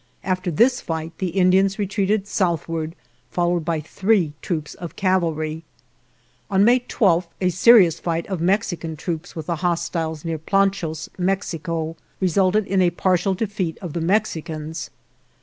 After this fight the Indians re treated southward followed by three troops of cavalry. " On May 12 a serious fight of Mexican troops with the hostiles near Planchos, Mex ico, resulted in a partial defeat of the Mexi cans.